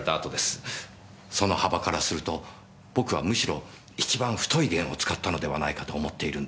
その幅からすると僕はむしろ一番太い弦を使ったのではないかと思っているんです。